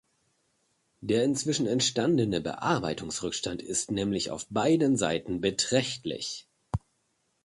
Der inzwischen entstandene Bearbeitungsrückstand ist nämlich auf beiden Seiten beträchtlich.